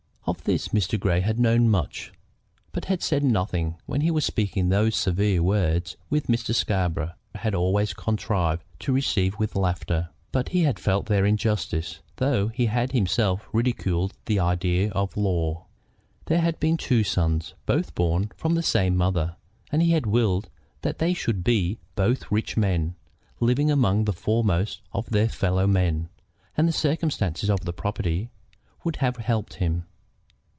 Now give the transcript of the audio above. Of this Mr. Grey had known much, but had said nothing when he was speaking those severe words which Mr. Scarborough had always contrived to receive with laughter. But he had felt their injustice, though he had himself ridiculed the idea of law. There had been the two sons, both born from the same mother, and he had willed that they should be both rich men, living among the foremost of their fellowmen, and the circumstances of the property would have helped him.